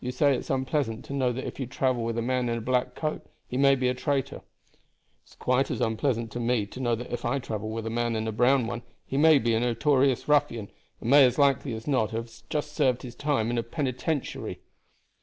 You say it's unpleasant to know that if you travel with a man in a black coat he may be a traitor. It's quite as unpleasant to me to know that if I travel with a man in a brown one he may be a notorious ruffian, and may as likely as not have just served his time in a penitentiary."